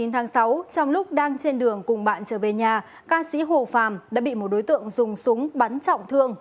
chín tháng sáu trong lúc đang trên đường cùng bạn trở về nhà ca sĩ hồ phàm đã bị một đối tượng dùng súng bắn trọng thương